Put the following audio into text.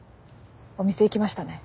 お店行きましたね？